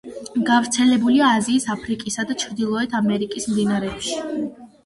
გავრცელებულია აზიის, აფრიკისა და ჩრდილოეთ ამერიკის მდინარეებში.